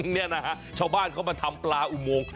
เนี่ยนะฮะชาวบ้านเขามาทำปลาอุโมง